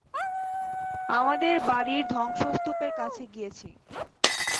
আমাদের বাড়ির ধ্বংসস্তুপের কাছে গিয়েছি।